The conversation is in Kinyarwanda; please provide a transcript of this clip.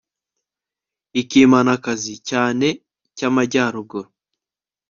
Ikimanakazi Cyane Cyamajyaruguru